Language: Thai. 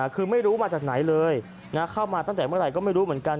คือไม่รู้มาจากไหนเลยเข้ามาตั้งแต่เมื่อไหร่ก็ไม่รู้เหมือนกัน